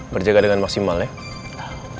berjaga dengan maksimal ya